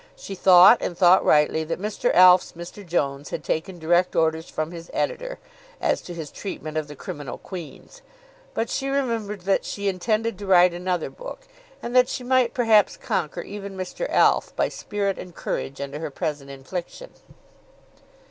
She thought, and thought rightly, that Mr. Alf's Mr. Jones had taken direct orders from his editor, as to his treatment of the "Criminal Queens." But she remembered that she intended to write another book, and that she might perhaps conquer even Mr. Alf by spirit and courage under her present infliction.